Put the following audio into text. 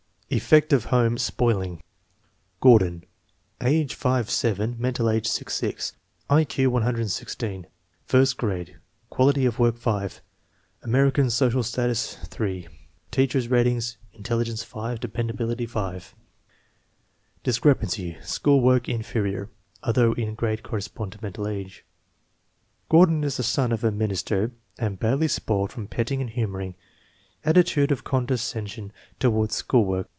Effect of home " spoiling." Gordon. Age 5 7, mental age 6 6, 1 Q 116, first grade, quality of work 5. American, social status 3. Teacher's ratings: intelligence 5, dependability 5. Discrepancy: School work "inferior," although in grade corresponding to mental age. Gordon is the son of a minister and badly spoiled from petting and humoring. Attitude of condescension toward school work.